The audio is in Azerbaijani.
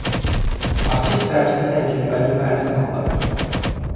Açıq dərsi təcrübəli müəllim aparır.